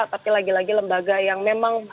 tapi lagi lagi lembaga yang memang